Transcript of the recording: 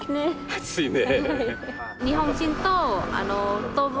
暑いね。